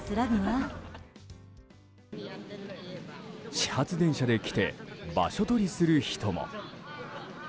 始発電車で来て場所取りする人も。